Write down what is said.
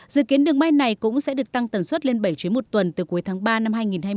dự kiến đường bay này cũng sẽ được tăng tần suất lên bảy chuyến một tuần từ cuối tháng ba năm hai nghìn hai mươi